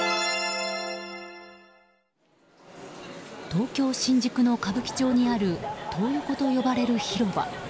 東京・新宿の歌舞伎町にあるトー横と呼ばれる広場。